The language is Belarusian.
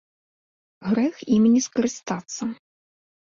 Грэх ім не скарыстацца.